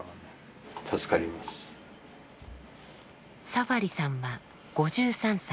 サファリさんは５３歳。